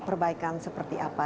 perbaikan seperti apa